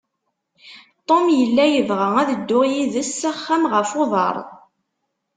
Tom yella yebɣa ad dduɣ yid-s s axxam ɣef uḍar.